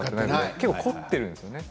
結構、凝っているんですね